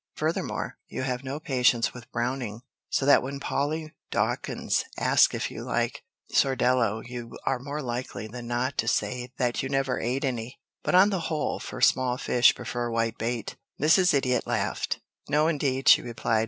Furthermore, you have no patience with Browning, so that when Polly Dawkins asks if you like Sordello, you are more likely than not to say that you never ate any, but on the whole for small fish prefer whitebait." Mrs. Idiot laughed. "No, indeed," she replied.